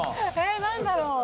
何だろう？